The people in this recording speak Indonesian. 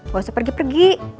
gak usah pergi pergi